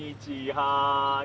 はい。